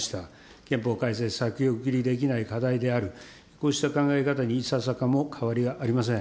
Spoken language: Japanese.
憲法改正、先送りできない課題である、こうした考え方にいささかも変わりはありません。